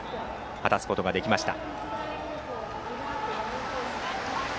果たすことができました。